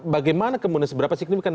bagaimana kemudian seberapa signifikan